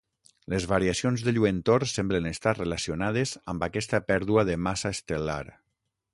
Les variacions de lluentor semblen estar relacionades amb aquesta pèrdua de massa estel·lar.